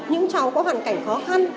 những cháu có hoàn cảnh khó khăn